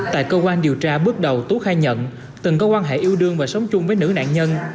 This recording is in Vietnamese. tại cơ quan điều tra bước đầu tú khai nhận từng có quan hệ yêu đương và sống chung với nữ nạn nhân